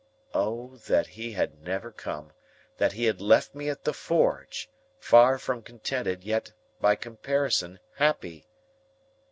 O that he had never come! That he had left me at the forge,—far from contented, yet, by comparison happy!